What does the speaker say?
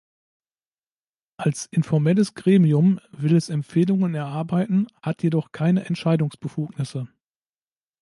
Als informelles Gremium will es Empfehlungen erarbeiten, hat jedoch keine Entscheidungsbefugnisse.